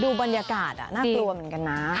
ดูบรรยากาศน่ากลัวเหมือนกันนะ